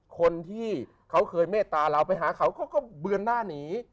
คนที่เขาเคยเมตตาเราไปหาเขาเขาก็เบือนหน้าหนี